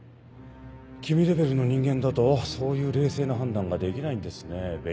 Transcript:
君レベルの人間だとそういう冷静な判断ができないんですねぇ。